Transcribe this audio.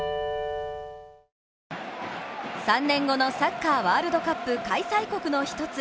３年後のサッカーワールドカップ開催国の一つ